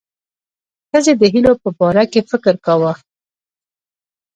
ښځې د هیلو په باره کې فکر کاوه.